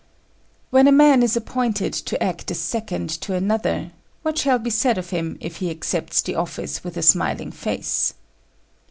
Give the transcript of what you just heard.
When a man is appointed to act as second to another, what shall be said of him if he accepts the office with a smiling face?